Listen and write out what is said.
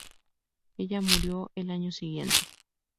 Ella murió al año siguiente.